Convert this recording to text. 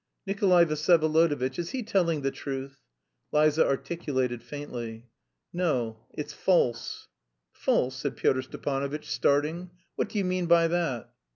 "Nikolay Vsyevolodovitch, is he telling the truth?" Liza articulated faintly. "No; it's false." "False?" said Pyotr Stepanovitch, starting. "What do you mean by that?"